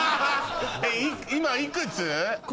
今いくつ？